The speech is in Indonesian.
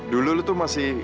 dulu lu tuh masih